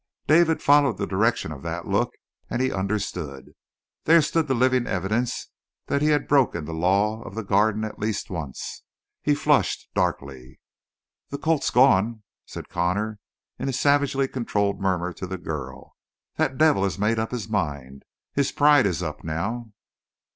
David followed the direction of that look and he understood. There stood the living evidence that he had broken the law of the Garden at least once. He flushed darkly. "The colt's gone," said Connor in a savagely controlled murmur to the girl. "That devil has made up his mind. His pride is up now!"